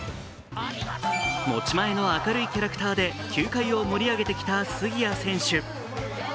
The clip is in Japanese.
持ち前の明るいキャラクターで球界を盛り上げてきた杉谷選手。